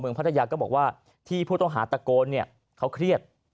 เมืองพัทยาก็บอกว่าที่ผู้ต้องหาตะโกนเขาเครียด